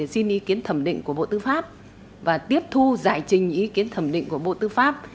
xin ý kiến thẩm định của bộ tư pháp và tiếp thu giải trình ý kiến thẩm định của bộ tư pháp